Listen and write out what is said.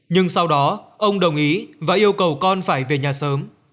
nhưng sau đó ông đồng ý và yêu cầu con phải về nhà sớm